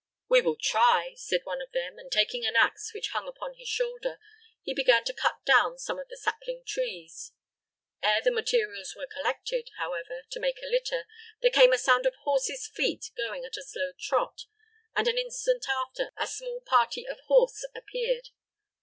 "We will try," said one of them; and taking an ax which hung upon his shoulder, he began to cut down some of the sapling trees. Ere the materials were collected, however, to make a litter, there came a sound of horses feet going at a slow trot, and an instant after a small party of horse appeared.